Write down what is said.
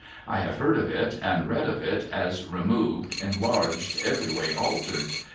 I have heard of it, and read of it, as removed, enlarged, every way altered.